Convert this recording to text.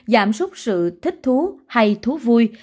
giảm súc sự thích thú hay thú vui